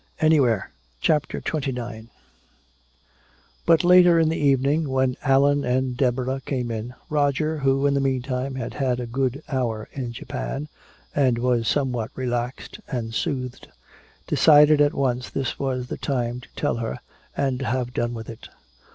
Anywhere! CHAPTER XXIX But later in the evening, when Allan and Deborah came in, Roger, who in the meantime had had a good hour in Japan and was somewhat relaxed and soothed, decided at once this was the time to tell her and have done with it.